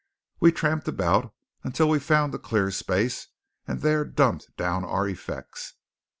We tramped about until we found a clear space, and there dumped down our effects.